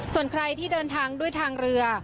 ส่วนใครที่เดินทางด้วยทางเรือ